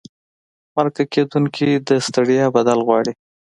مرکه کېدونکي د ستړیا بدل غواړي.